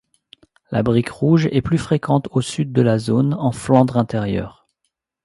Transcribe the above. La brique rouge est plus fréquente au sud de la zone, en Flandre intérieure.